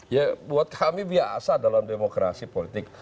ya buat kami biasa dalam demokrasi politik